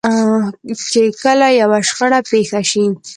چې کله يوه شخړه پېښه شي.